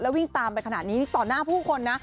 แล้ววิ่งตามไปขนาดนี้ต่อหน้าผู้คนนะ